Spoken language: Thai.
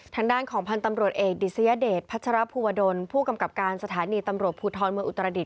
ทางด้านของพันธ์ตำรวจเอกดิษยเดชพัชรภูวดลผู้กำกับการสถานีตำรวจภูทรเมืองอุตรดิษ